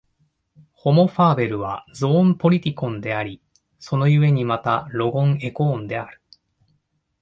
ホモ・ファーベルはゾーン・ポリティコンであり、その故にまたロゴン・エコーンである。